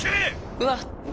うわっ。